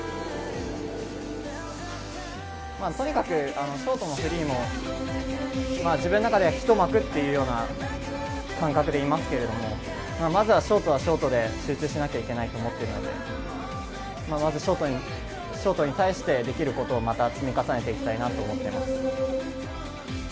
とにかくショートもフリーも、自分の中で一幕っていうような感覚でいますけれども、まずはショートはショートで集中しなきゃいけないと思っているので、まずショートに対してできることをまた積み重ねていきたいなと思っています。